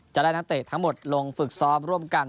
จะได้น้องเตะทั้งหมดลงฝึกซ้อมร่วมกัน